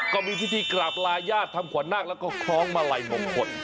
ก็มีพิธีกราบลาญาติทำขวัญนาคแล้วก็คล้องมาลัยมงคล